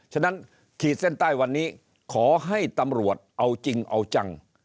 ฉะนั้นขีดเส้นใต้วันนี้ขอให้ตำรวจเอาจริงเอาจัง